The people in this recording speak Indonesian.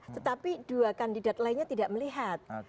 tetapi dua kandidat lainnya tidak melihat